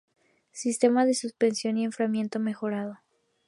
Sistema de suspensión y enfriamiento mejorado.